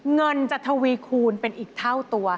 เงินจะทวีคูณเป็นอีกเท่าตัว